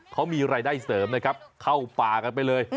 เขามีรายได้เสริมนะครับเข้าป่ากันไปเลย